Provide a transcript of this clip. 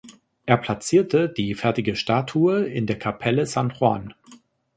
Er platzierte die fertige Statue in der Kapelle San Juan.